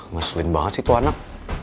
ngeselin banget sih itu anak